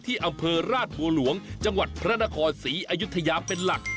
อำเภอราชบัวหลวงจังหวัดพระนครศรีอยุธยาเป็นหลัก